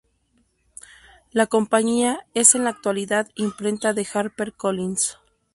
La compañía es en la actualidad imprenta de HarperCollins.